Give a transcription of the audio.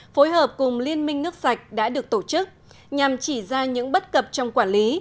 phối hợp cùng liên minh nước sạch đã được tổ chức nhằm chỉ ra những bất cập trong quản lý